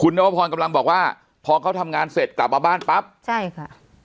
นวพรกำลังบอกว่าพอเขาทำงานเสร็จกลับมาบ้านปั๊บใช่ค่ะ